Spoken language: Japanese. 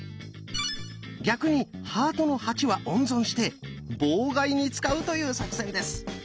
逆に「ハートの８」は温存して妨害に使うという作戦です。